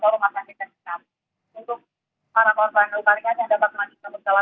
dari rosalia rizal yang berada di sini